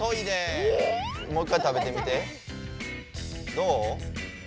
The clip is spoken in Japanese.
どう？